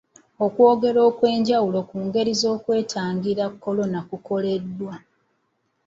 Okwogera okw'enjawulo ku ngeri z'okwetangira kolona kukoleddwa.